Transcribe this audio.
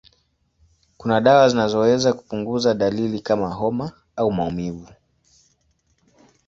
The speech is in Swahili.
Kuna dawa zinazoweza kupunguza dalili kama homa au maumivu.